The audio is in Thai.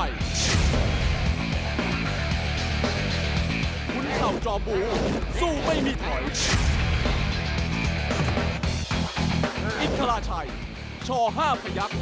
อีฟทราชัยช่อ๕พระยักษ์